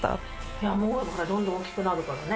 いや、思うよね、どんどん大きくなるからね。